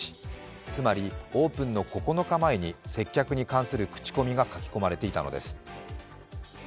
つまり、オープンの９日前に接客に関する口コミがかき込まれていたのです。